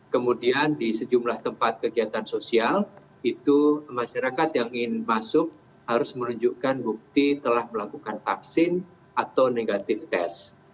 kemudian di sejumlah tempat kegiatan sosial itu masyarakat yang ingin masuk harus menunjukkan bukti telah melakukan vaksin atau negatif tes